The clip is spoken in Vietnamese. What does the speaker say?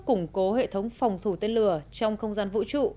củng cố hệ thống phòng thủ tên lửa trong không gian vũ trụ